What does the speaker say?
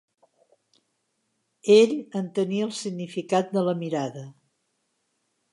Ell entenia el significat de la mirada.